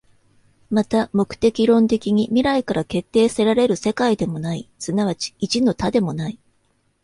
また目的論的に未来から決定せられる世界でもない、即ち一の多でもない。